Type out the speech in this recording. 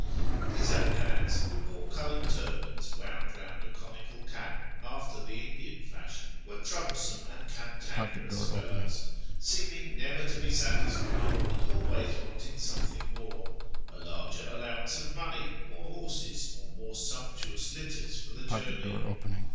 These Afghans, who wore coloured turbans wound round a conical cap, after the Indian fashion, were troublesome and cantankerous fellows, seeming never to be satisfied, and always wanting something more — a larger allowance of money, more horses, or more sumptuous litters for the journey.